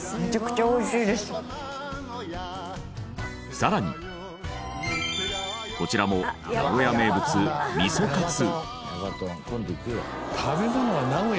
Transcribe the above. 更にこちらも名古屋名物みそかつ。